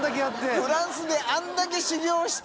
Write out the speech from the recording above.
フランスであれだけ修業をして。